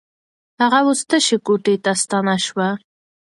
هغه اوس تشې کوټې ته ستنه شوه.